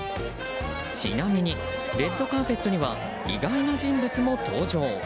ちなみにレッドカーペットには意外な人物も登場。